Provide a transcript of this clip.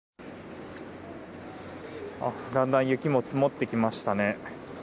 だんだん、雪も積もってきましたね。